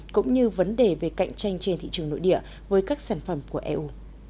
cũng như vấn đề về cạnh tranh trên thị trường nội địa với các sản phẩm của eu